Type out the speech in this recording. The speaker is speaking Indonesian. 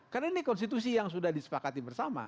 karena ini konstitusi yang sudah disepakati bersama